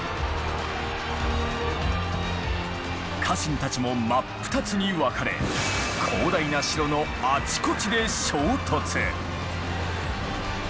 家臣たちも真っ二つに分かれ広大な城のあちこちで衝突。